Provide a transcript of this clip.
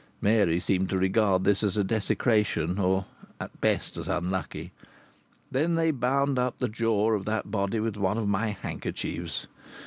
Mary seemed to regard this as a desecration, or at best as unlucky. Then they bound up the jaw of that body with one of my handkerchiefs.